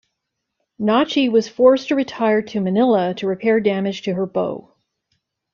"Nachi" was forced to retire to Manila to repair damage to her bow.